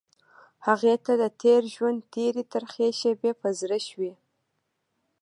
هغې ته د تېر ژوند تېرې ترخې شېبې په زړه شوې.